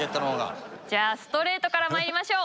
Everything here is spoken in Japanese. じゃあストレートからまいりましょう！